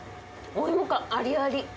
お芋感ありあり。